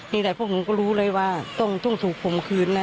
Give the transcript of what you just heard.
นี่แต่พวกมึงก็รู้เลยว่าไปต้องถูกผมคืนนั่น